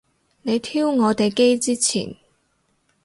你挑我哋機之前